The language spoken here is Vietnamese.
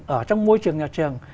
ở trong môi trường nhà trường